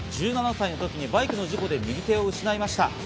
１７歳の時にバイクの事故で右手を失いました。